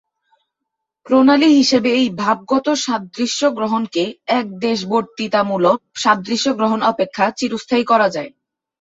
প্রণালী হিসাবে এই ভাবগত সাদৃশ্যগ্রহণকে একদেশবর্তিতামূলক সাদৃশ্যগ্রহণ অপেক্ষা চিরস্থায়ী করা যায়।